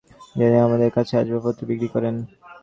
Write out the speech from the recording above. যেদিন আমাদের কাছে আসবাবপত্র বিক্রি করেন।